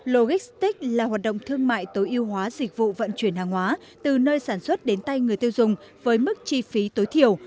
logistics là hoạt động thương mại tối ưu hóa dịch vụ vận chuyển hàng hóa từ nơi sản xuất đến tay người tiêu dùng với mức chi phí tối thiểu